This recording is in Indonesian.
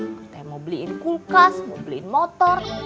akang teh mau beliin kulkas mau beliin motor